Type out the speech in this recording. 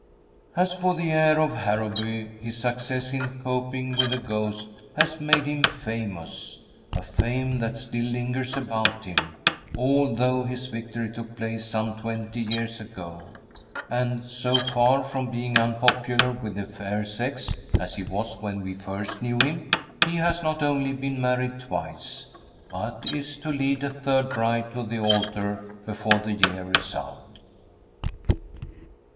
As for the heir of Harrowby, his success in coping with a ghost has made him famous, a fame that still lingers about him, although his victory took place some twenty years ago; and so far from being unpopular with the fair sex, as he was when we first knew him, he has not only been married twice, but is to lead a third bride to the altar before the year is out.